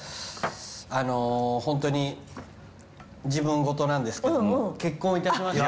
あのうホントに自分事なんですけど結婚いたしまして。